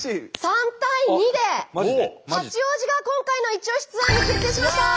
３対２で八王子が今回のイチオシツアーに決定しました！